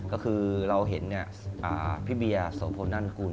ก็คือเราเห็นพี่เบียร์โสพลนั่นกุล